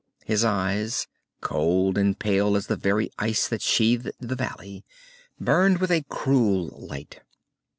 His eyes, cold and pale as the very ice that sheathed the valley, burned with a cruel light.